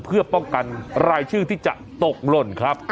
เพื่อป้องกันรายชื่อที่จะตกหล่นครับ